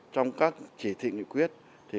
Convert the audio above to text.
trong các chỉ thị nguyện quyết